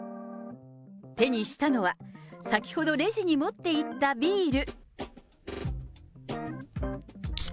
手にしたのは、先ほどレジに持っていったビール。